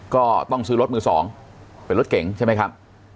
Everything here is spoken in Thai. ก็ต้องซื้อรถมือ๒เป็นรถเก่งใช่ไหมครับ